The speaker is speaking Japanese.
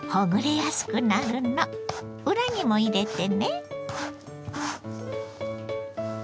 裏にも入れてね。